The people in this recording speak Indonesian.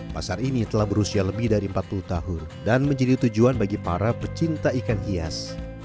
pasar ini telah berusia lebih dari empat puluh tahun dan menjadi tujuan bagi para pecinta ikan hias